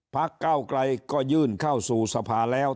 เก้าไกลก็ยื่นเข้าสู่สภาแล้ว